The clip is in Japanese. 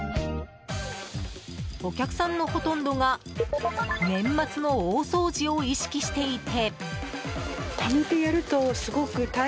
お客さんのほとんどが年末の大掃除を意識していて。